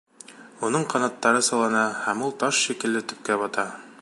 Уның ҡанаттары сылана, һәм ул таш шикелле төпкә бата.